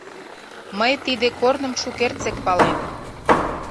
— Мый тиде корным шукертсек палем...